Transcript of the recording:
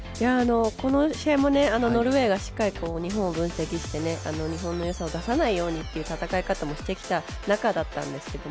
この試合もノルウェーがしっかりと日本を分析して、日本のよさを出さないようにという戦い方をしてきた中だったんですけど